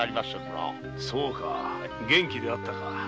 そうか元気であったか。